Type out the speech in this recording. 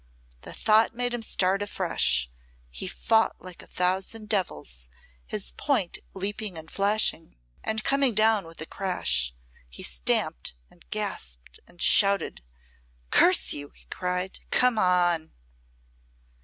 The thought made him start afresh; he fought like a thousand devils, his point leaping and flashing, and coming down with a crash; he stamped and gasped and shouted. "Curse you," he cried; "come on!"